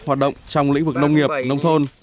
hoạt động trong lĩnh vực nông nghiệp nông thôn